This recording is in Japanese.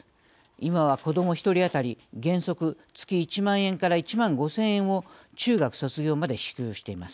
今は子ども１人当たり原則月１万円から１万５，０００円を中学卒業まで支給しています。